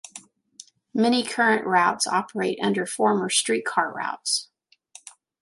Many current routes operate under former streetcar routes.